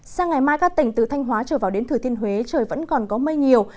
sang ngày mai các tỉnh từ thanh hóa trở vào đến thừa thiên huế trời vẫn còn có mây nhiều